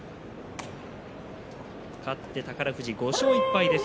勝って宝富士、５勝１敗です。